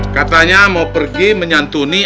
katanya mau pergi menyantuni